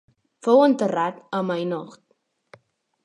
Fou enterrat a Maynooth.